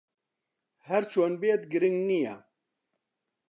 ھەر چۆن بێت، گرنگ نییە.